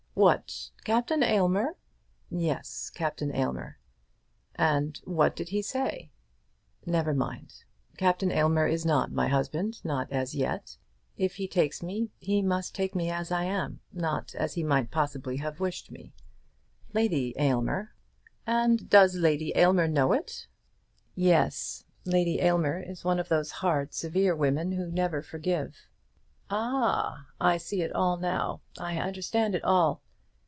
"What! Captain Aylmer?" "Yes; Captain Aylmer." "And what did he say?" "Never mind. Captain Aylmer is not my husband, not as yet. If he takes me, he must take me as I am, not as he might possibly have wished me to be. Lady Aylmer " "And does Lady Aylmer know it?" "Yes. Lady Aylmer is one of those hard, severe women who never forgive." "Ah, I see it all now. I understand it all.